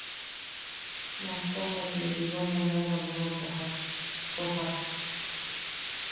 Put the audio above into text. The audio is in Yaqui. Maejtommet ne libro momoeram nau tojak, toja-k.